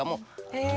へえ。